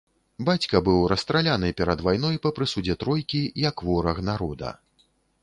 Бацька быў расстраляны перад вайной па прысудзе тройкі як вораг народа.